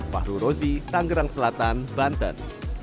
fahru rozi tanggerang selatan banten